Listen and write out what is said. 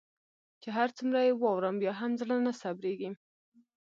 چي هر څومره يي واورم بيا هم زړه نه صبریږي